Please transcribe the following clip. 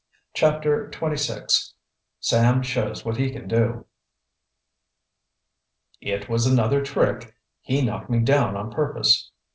CHAPTER XXVI SAM SHOWS WHAT HE CAN DO "It was another trick. He knocked me down on purpose."